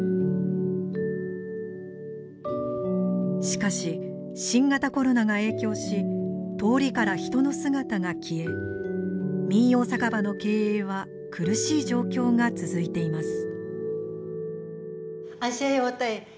しかし新型コロナが影響し通りから人の姿が消え民謡酒場の経営は苦しい状況が続いています。